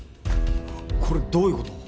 これどういうこと？